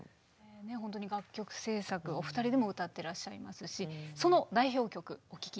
ほんとに楽曲制作お二人でも歌ってらっしゃいますしその代表曲お聴き頂きたいと思います。